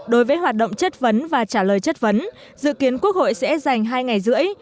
đối với hoạt động chất vấn và trả lời chất vấn dự kiến quốc hội sẽ dành hai ngày rưỡi